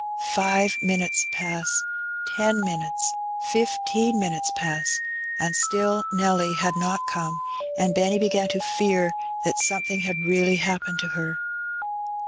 Five minutes pass — ten minutes — fifteen minutes pass, and still Nelly had not come, and Benny began to fear that something had really happened to her.